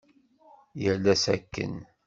Yal ass akken.